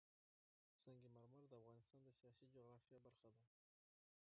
سنگ مرمر د افغانستان د سیاسي جغرافیه برخه ده.